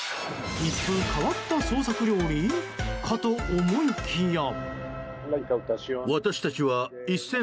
一風変わった創作料理かと思いきや。